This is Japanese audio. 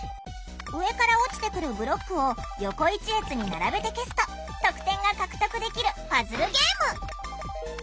上から落ちてくるブロックを横１列に並べて消すと得点が獲得できるパズルゲーム。